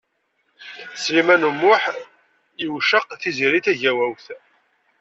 Sliman U Muḥ yewceq Tiziri Tagawawt.